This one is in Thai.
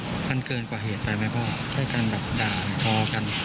มันเกินกว่าเหตุไปไหมพ่อแค่การแบบด่าทอกัน